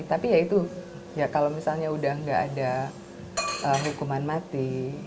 tapi ya itu ya kalau misalnya udah nggak ada hukuman mati